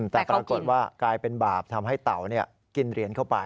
แต่ปรากฏว่ากลายเป็นบาปทำให้เต่ากินเหรียญเข้าไป